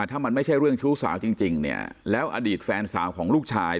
ถ้ามันไม่ใช่เรื่องชู้สาวจริงเนี่ยแล้วอดีตแฟนสาวของลูกชาย